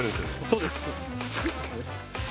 そうです。